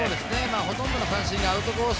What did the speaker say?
ほとんどの三振がアウトコース